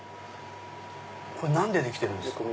これ何でできてるんですか？